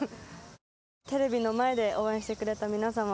テレビの前で応援してくれた皆様